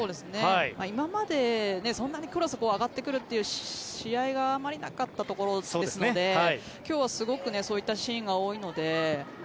今まで、そんなにクロスが上がってくるという試合があまりなかったところですので今日はすごくそういったシーンが多いので。